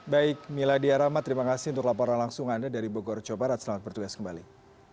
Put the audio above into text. baik miladia rahma terima kasih untuk laporan langsung anda dari bogor jawa barat selamat bertugas kembali